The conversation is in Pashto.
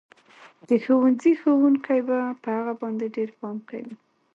د ښوونځي ښوونکي به په هغه باندې ډېر پام کوي